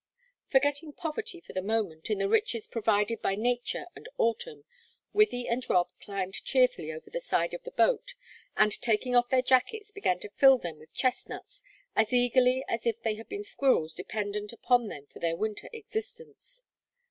Forgetting poverty for the moment in the riches provided by nature and autumn, Wythie and Rob climbed cheerfully over the side of the boat, and taking off their jackets began filling them with chestnuts as eagerly as if they had been squirrels dependent upon them for their winter existence.